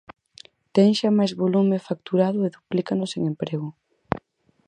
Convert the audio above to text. Ten xa máis volume facturado e duplícanos en emprego.